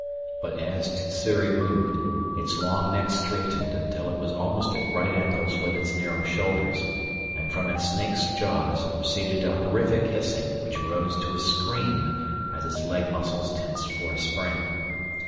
But as Sssuri moved, its long neck straightened until it was almost at right angles with its narrow shoulders, and from its snake's jaws proceeded a horrific hissing which arose to a scream as its leg muscles tensed for a spring.